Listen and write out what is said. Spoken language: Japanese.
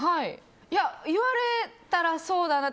いや、言われたらそうだな